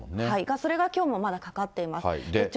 それがきょうもまだかかっています。